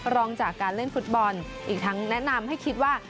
รองจากการเล่นฟุตบอลอีกทั้งแนะนำให้คิดว่า